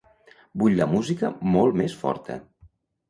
Vull la música molt més forta.